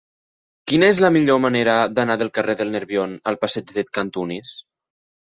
Quina és la millor manera d'anar del carrer del Nerbion al passeig de Cantunis?